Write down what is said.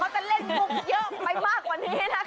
จริงไหน